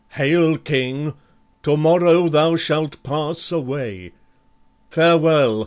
Hail King! tomorrow thou shalt pass away. Farewell!